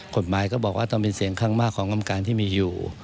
กฎหมายก็บอกว่าต้องเป็นเสียงข้างมากของกรรมการที่มีอยู่